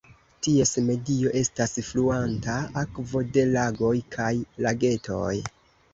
Ties medio estas fluanta akvo de lagoj kaj lagetoj.